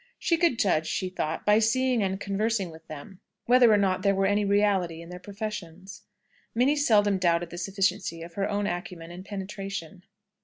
She could judge, she thought, by seeing and conversing with them, whether or not there were any reality in their professions. Minnie seldom doubted the sufficiency of her own acumen and penetration.